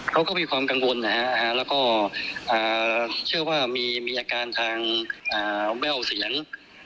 เขาก็มีความกังวลนะฮะแล้วก็เชื่อว่ามีอาการทางแว่วเสียง